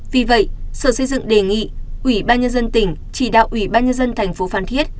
vì vậy sở xây dựng đề nghị ubnd tỉnh chỉ đạo ubnd thành phố phan thiết